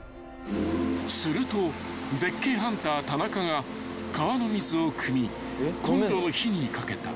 ［すると絶景ハンター田中が川の水をくみこんろの火にかけた］